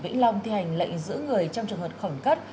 vĩnh long thi hành lệnh giữ người trong trường hợp khẩn cấp